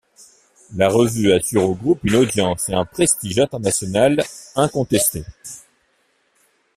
La revue assure au Groupe une audience et un prestige international incontestés.